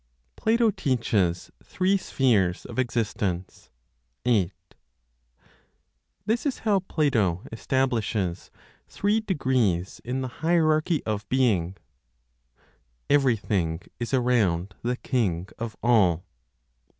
PLATO TEACHES THREE SPHERES OF EXISTENCE. 8. This is how Plato establishes three degrees in the hierarchy of being: "Everything is around the king of all."